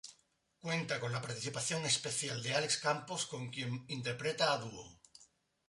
Cuenta con la participación especial de Alex Campos con quien interpreta a dúo.